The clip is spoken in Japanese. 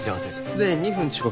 すでに２分遅刻。